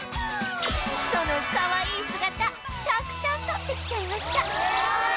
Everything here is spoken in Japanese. そのかわいい姿たくさん撮ってきちゃいました